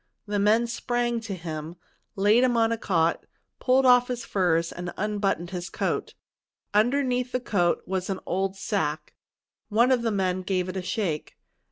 The men sprang to him, laid him on a cot, pulled off his furs, and unbuttoned his coat. Underneath the coat was an old sack. One of the men gave it a shake.